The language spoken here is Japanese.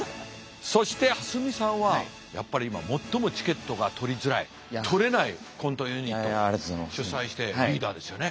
そして蓮見さんはやっぱり今最もチケットが取りづらい取れないコントユニットを主宰してリーダーですよね。